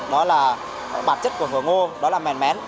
đó là bản chất của hổ ngô đó là mèn mén